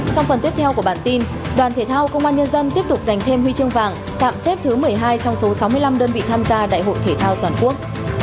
trong phần tiếp theo của bản tin đoàn thể thao công an nhân dân tiếp tục giành thêm huy chương vàng tạm xếp thứ một mươi hai trong số sáu mươi năm đơn vị tham gia đại hội thể thao toàn quốc